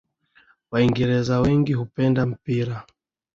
Waingereza wengi hupenda mpira